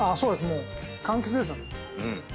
もう柑橘ですよね。